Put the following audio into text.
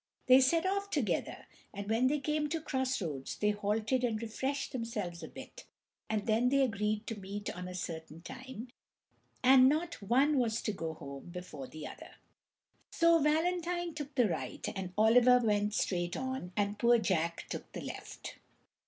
They set off together, and when they came to cross roads they halted and refreshed themselves a bit; and then they agreed to meet on a certain time, and not one was to go home before the other. So Valentine took the right, and Oliver went straight on, and poor Jack took the left.